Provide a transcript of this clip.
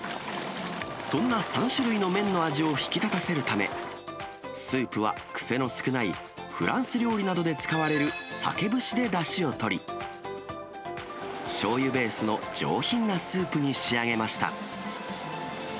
そんな３種類の麺の味を引き立たせるため、スープは癖の少ないフランス料理などで使われる鮭節でだしを取り、しょうゆベースの上品なスープに仕上げました。